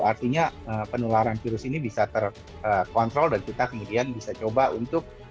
artinya penularan virus ini bisa terkontrol dan kita kemudian bisa coba untuk